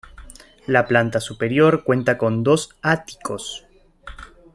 La planta superior cuenta con dos áticos.